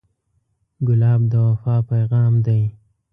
ګلاب د وفا پیغام دی.